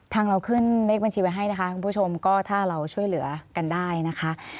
เราขึ้นเลขบัญชีไว้ให้นะคะคุณผู้ชมก็ถ้าเราช่วยเหลือกันได้นะคะ